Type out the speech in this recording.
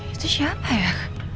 itu siapa ya